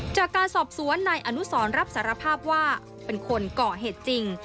จากการสอบสวนนายอนุสรรับสารภาพว่าเป็นคนก่อเหตุจริง